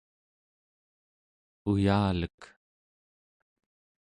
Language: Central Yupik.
uyalek